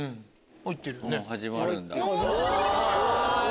もう始まるんだ。